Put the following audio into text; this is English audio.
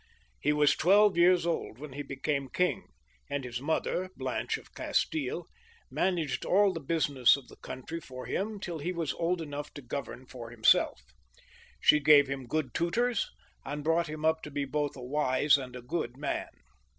He was twelve years old when he became king, and his mother, Blanche of Castillo, managed all the business of the country for him tiU he was old enough to govern for himsell She gave him good tutors, and brought him up to be both a wise and a good man.